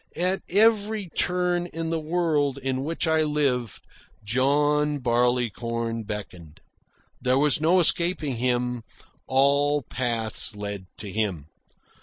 At every turn in the world in which I lived, John Barleycorn beckoned. There was no escaping him. All paths led to him.